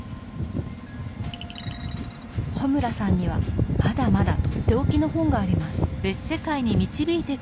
穂村さんにはまだまだとっておきの本があります。